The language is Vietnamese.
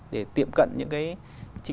để tiệm cận những cái